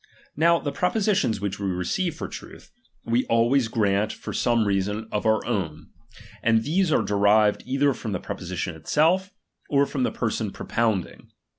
Now the pro positions which we receive for truth, we always BELIGION. 201 grant for some reasons of our own ; and these are chap.xviti derived either from the proposition itself, or from „"';' the person propounding.